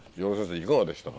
いかがでしたか？